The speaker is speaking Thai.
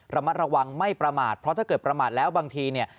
ระมัดระวังไม่ประมาทเพราะถ้าเกิดประมาทแล้วบางทีเนี่ย